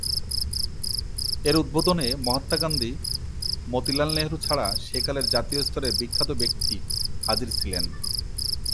এর উদ্বোধনে মহাত্মা গান্ধী, মতিলাল নেহেরু ছাড়া সেকালের জাতীয় স্তরের বিখ্যাত ব্যক্তি হাজির ছিলেন।